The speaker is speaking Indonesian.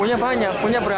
punya banyak punya berapa